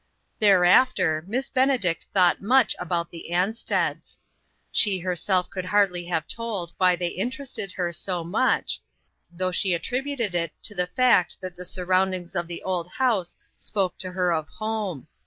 THEREAFTER Miss Benedict thought much about the Austeds. She herself could hardly have told why they interested her so much, though she attributed it to the fact that the surroundings of the old house spoke to her of home.